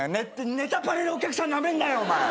『ネタパレ』のお客さんなめんなよお前！